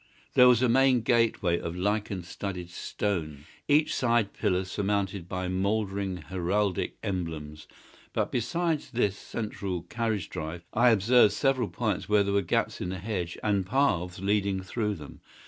There was a main gateway of lichen studded stone, each side pillar surmounted by mouldering heraldic emblems; but besides this central carriage drive I observed several points where there were gaps in the hedge and paths leading through them.